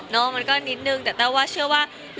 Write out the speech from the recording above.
มันก็นิดนึงแต่แต้วว่าเชื่อว่า